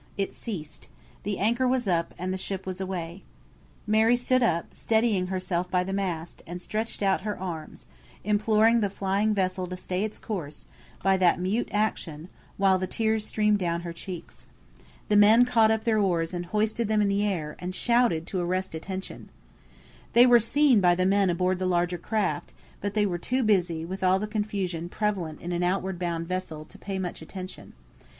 It ceased. The anchor was up, and the ship was away. Mary stood up, steadying herself by the mast, and stretched out her arms, imploring the flying vessel to stay its course by that mute action, while the tears streamed down her cheeks. The men caught up their oars and hoisted them in the air, and shouted to arrest attention. They were seen by the men aboard the larger craft; but they were too busy with all the confusion prevalent in an outward bound vessel to pay much attention.